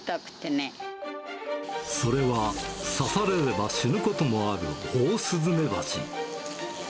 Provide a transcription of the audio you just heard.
それは、刺されれば死ぬこともある、オオスズメバチ。